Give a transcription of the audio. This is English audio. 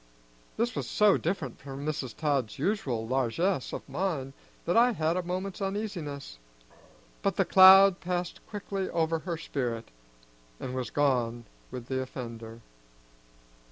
This was so different from Mrs. Todd's usual largeness of mind that I had a moment's uneasiness; but the cloud passed quickly over her spirit, and was gone with the offender.